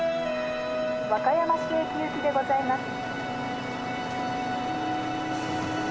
和歌山市駅行きでございます。